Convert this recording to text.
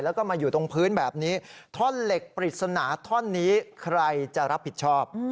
แล้วก็มาอยู่ตรงพื้นแบบนี้ท่อนเหล็กปริศนาท่อนนี้ใครจะรับผิดชอบ